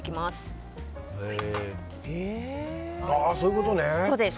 そういうことね。